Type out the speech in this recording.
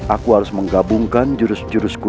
aku harus menggabungkan jurus jurusku